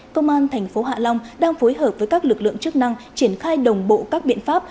công an thành phố hạ long đang phối hợp với các lực lượng chức năng triển khai đồng bộ các biện pháp